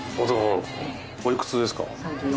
おいくつですか？